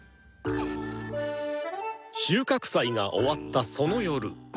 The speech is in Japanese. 収穫祭が終わったその夜。